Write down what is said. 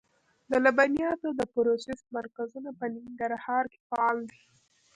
د لبنیاتو د پروسس مرکزونه په ننګرهار کې فعال دي.